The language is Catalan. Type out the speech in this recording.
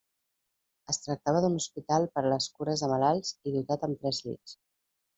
Es tractava d'un hospital per a la cura de malalts i dotat amb tres llits.